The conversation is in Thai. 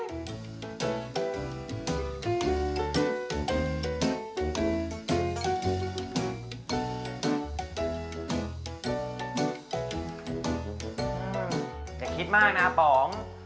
อย่าคิดมากนะป๋อง